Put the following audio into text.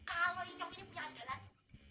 kalau ikan ini punya andalan